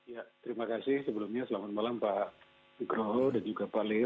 ya terima kasih sebelumnya selamat malam pak nugroho dan juga pak leo